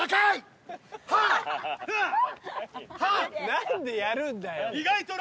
何でやるんだよ。